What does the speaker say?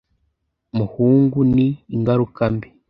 muhungu ni ingaruka mbi.